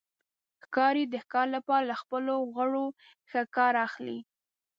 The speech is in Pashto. ښکاري د ښکار لپاره له خپلو غړو ښه کار اخلي.